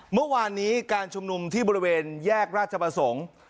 เมื่อวานนี้การชุมนุมที่บริเวณแยกราชประสงค์